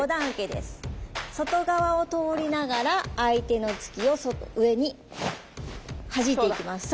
外側を通りながら相手の突きを外上にはじいていきます。